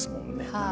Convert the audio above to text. はい。